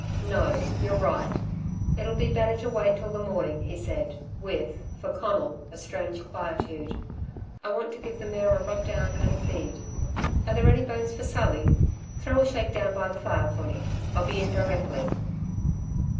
"No. You're right. It'll be better to wait till the morning," he said, with, for Conal, a strange quietude. "I want to give the mare a rub down and a feed. Are there any bones for Sally? Throw a shakedown by the fire for me. I'll be in directly."